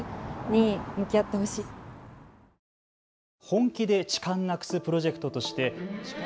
「本気で痴漢なくすプロジェクト」として。